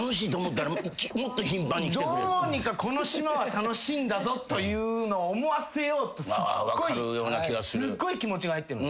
どうにかこの島は楽しいんだぞというのを思わせようとすっごい気持ちが入ってる。